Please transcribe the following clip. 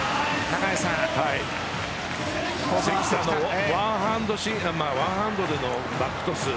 関田のワンハンドでのバックトス。